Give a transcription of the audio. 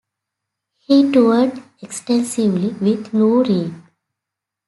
He toured extensively with Lou Reed.